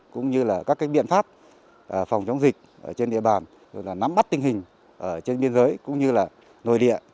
cũng như là các biện pháp phòng chống dịch trên địa bàn nắm bắt tình hình trên biên giới cũng như là nội địa